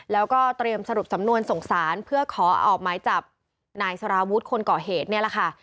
แล้วก็เตรียมสรุปสำนวนส่งสารเพื่อขอออกหมายจับนายสารวุฒิคนก่อเหตุเนี่ยแหละค่ะ